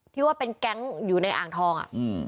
ที่ว่าเป็นแก๊งอยู่ในอ่างทอง